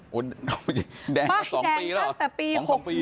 ป้ายแดงตั้งแต่ปี๖๑